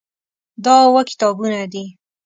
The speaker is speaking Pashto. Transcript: دا اووه کتابونه دي.